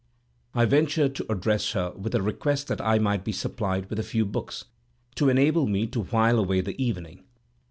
I ventured to address her, with a request that I might be supplied with a few books, to enable me to while away the evening.